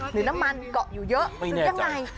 หรือน้ำมันเกาะอยู่เยอะหรือยังไง